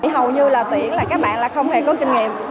hầu như là tuyển là các bạn là không hề có kinh nghiệm